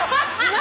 何！？